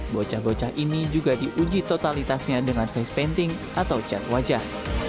bocah bocah ini juga diuji totalitasnya dengan face painting atau cat wajah